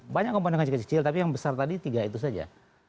banyak komponen kecil kecil tapi yang besar tadi tiga itu saja